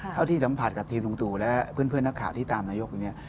เท่าที่สัมผัสกับทีมลุงตู่และเพื่อนนักข่าวที่ตามนายกอยู่เนี่ย